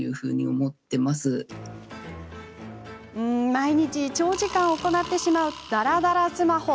毎日、長時間行ってしまうだらだらスマホ。